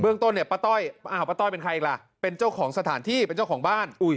เบื้องต้นเนี่ยป๊าต้อยเป็นใครละเป็นเจ้าของสถานที่เป็นเจ้าของบ้าน